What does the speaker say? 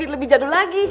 lebih jadul lagi